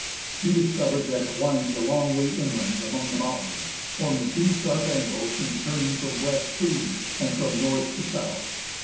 He discovered that it winds a long way inland among the mountains, forming two sharp angles in turning from west to east, and from north to south.